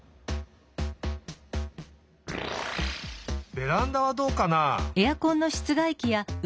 ベランダはどうかな？